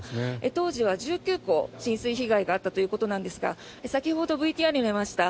当時は１９戸、浸水被害があったということですが先ほど、ＶＴＲにもありました